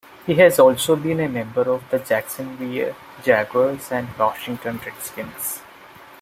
He has also been a member of the Jacksonville Jaguars and Washington Redskins.